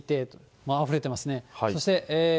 もうあふれてますね。